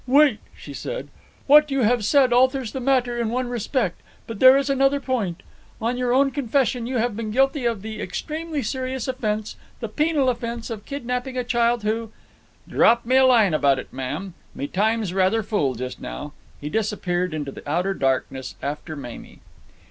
"Wait!" she said. "What you have said alters the matter in one respect; but there is another point. On your own confession you have been guilty of the extremely serious offence, the penal offence of kidnapping a child who—" "Drop me a line about it, ma'am," said Steve. "Me time's rather full just now." He disappeared into the outer darkness after Mamie.